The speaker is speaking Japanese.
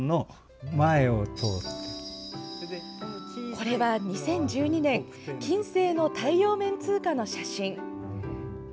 これは、２０１２年金星の太陽面通過の写真。